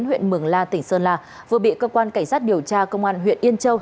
huyện mường la tỉnh sơn la vừa bị cơ quan cảnh sát điều tra công an huyện yên châu